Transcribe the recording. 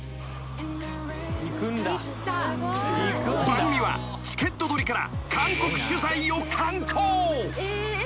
［番組はチケット取りから韓国取材を敢行］